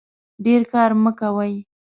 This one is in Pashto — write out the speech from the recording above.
ډیر کار مه کوئ